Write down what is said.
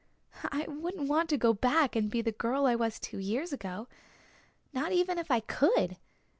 I wouldn't want to go back and be the girl I was two years ago, not even if I could.